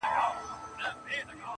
پېړۍ وړاندي له وطن د جادوګرو.!